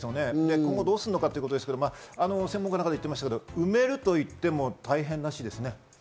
今後どうするかですが、専門家の方、言っていましたが埋めるといっても大変らしいですね。